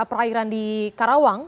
perairan di karawang